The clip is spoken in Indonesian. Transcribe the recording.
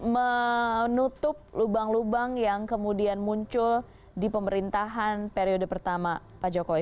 menutup lubang lubang yang kemudian muncul di pemerintahan periode pertama pak jokowi